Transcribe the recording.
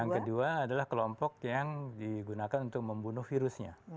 yang kedua adalah kelompok yang digunakan untuk membunuh virusnya